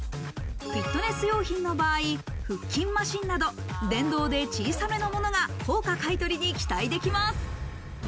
フィットネス用品の場合、腹筋マシンなど電動で小さめのものが高価買取に期待できます。